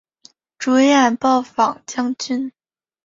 主演暴坊将军。